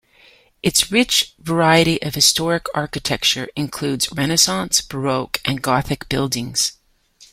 Its rich variety of historic architecture includes Renaissance, Baroque and Gothic buildings.